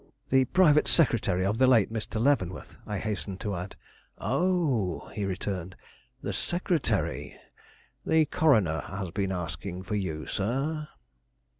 "The private secretary of the late Mr. Leavenworth," I hastened to add. "Oh," he returned, "the secretary! The coroner has been asking for you, sir."